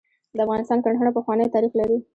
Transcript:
د افغانستان کرهڼه پخوانی تاریخ لري .